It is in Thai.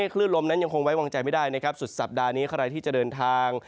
คลื่นลมนั้นยังคงไว้วางใจไม่ได้นะครับสุดสัปดาห์นี้ใครที่จะเดินทาง